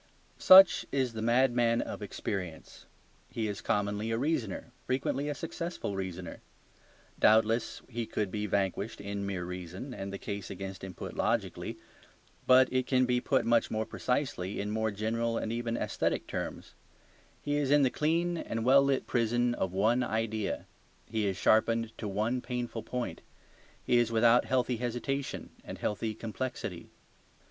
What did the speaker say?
Such is the madman of experience; he is commonly a reasoner, frequently a successful reasoner. Doubtless he could be vanquished in mere reason, and the case against him put logically. But it can be put much more precisely in more general and even aesthetic terms. He is in the clean and well lit prison of one idea: he is sharpened to one painful point. He is without healthy hesitation and healthy complexity.